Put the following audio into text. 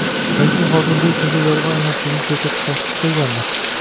Balki hozir bu so'zlar yolg'on emasligini ko'rsatish vaqti kelgandir?